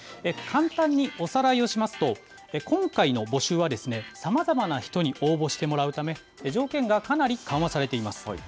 簡単におさらいをしますと、今回の募集は、さまざまな人に応募してもらうため、条件がかなり緩和されています。